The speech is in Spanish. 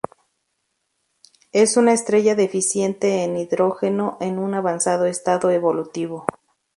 Es una estrella deficiente en hidrógeno en un avanzado estado evolutivo.